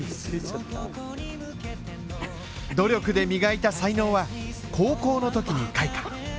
努力で磨いた才能は高校の時に開花。